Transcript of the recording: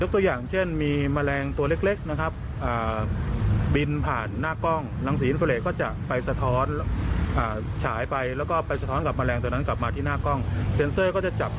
ฟังเสียอาจารย์อ้อนหน่อยครับ